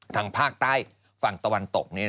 ทางภาคใต้ฝั่งตะวันตก